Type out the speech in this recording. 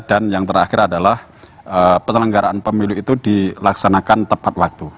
dan yang terakhir adalah penyelenggaraan pemilu itu dilaksanakan tepat waktu